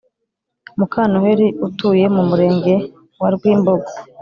Mukanoheri utuye mu Murenge wa Rwimbogo